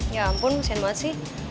ya ampun mesin banget sih